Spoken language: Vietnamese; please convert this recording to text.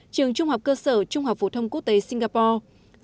trường trung học cơ sở trung học phổ thông quốc tế singapore